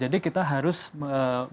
jadi kita harus berbasiskan data gitu ya